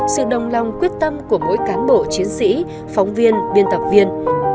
sự đồng lòng quyết tâm của mỗi cán bộ chiến sĩ phóng viên biên tập viên